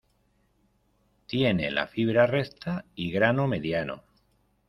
Tiene la fibra recta y grano mediano.